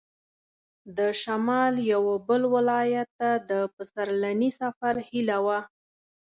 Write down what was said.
د شمال یوه بل ولایت ته د پسرلني سفر هیله وه.